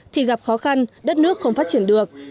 thì gặp khó khăn đất nước không phát triển được